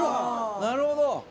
「なるほど」